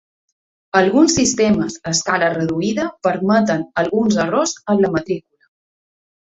Alguns sistemes a escala reduïda permeten alguns errors en la matrícula.